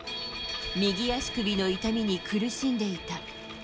右足首の痛みに苦しんでいた。